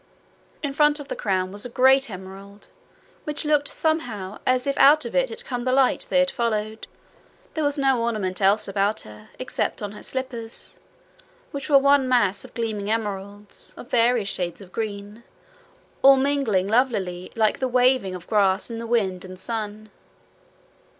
In front of the crown was a great emerald, which looked somehow as if out of it had come the light they had followed. There was no ornament else about her, except on her slippers, which were one mass of gleaming emeralds, of various shades of green, all mingling lovelily like the waving of grass in the wind and sun.